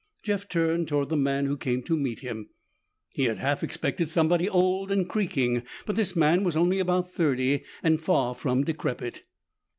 Jeff turned toward the man who came to meet him. He had half expected somebody old and creaking, but this man was only about thirty and far from decrepit.